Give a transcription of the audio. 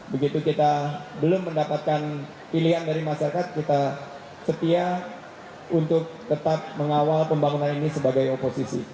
begitu kita belum mendapatkan pilihan dari masyarakat kita setia untuk tetap mengawal pembangunan ini sebagai oposisi